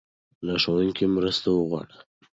له ښوونکي مرسته وغواړه.